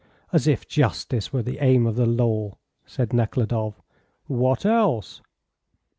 "As if justice were the aim of the law," said Nekhludoff. "What else?"